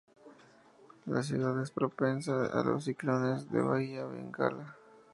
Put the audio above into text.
La ciudad es propensa a los ciclones de la Bahía de Bengala.